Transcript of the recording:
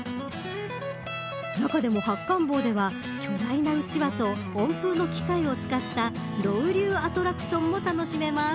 中でも発汗房では巨大なうちわと温風の機械を使ったロウリュウアトラクションも楽しめます。